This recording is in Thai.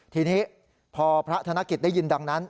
ทีนี้พอพระธนกิจได้ยินดังนั้น